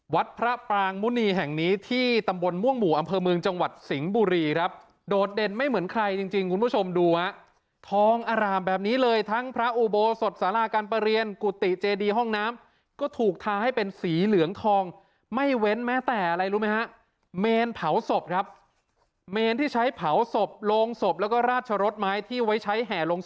วัดพระปรางมุณีแห่งนี้ที่ตำบลม่วงหมู่อำเภอเมืองจังหวัดสิงห์บุรีครับโดดเด่นไม่เหมือนใครจริงคุณผู้ชมดูฮะทองอร่ามแบบนี้เลยทั้งพระอุโบสถสาราการประเรียนกุฏิเจดีห้องน้ำก็ถูกทาให้เป็นสีเหลืองทองไม่เว้นแม้แต่อะไรรู้ไหมฮะเมนเผาศพครับเมนที่ใช้เผาศพโรงศพแล้วก็ราชรสไม้ที่ไว้ใช้แห่ลง